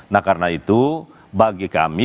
nah karena itu bagi kami badan legislasi